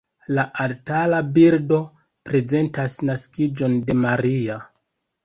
La altara bildo prezentas naskiĝon de Maria.